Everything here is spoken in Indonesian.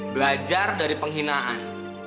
belajar dari penghinaan